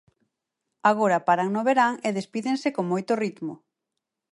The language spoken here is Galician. Agora paran no verán e despídense con moito ritmo.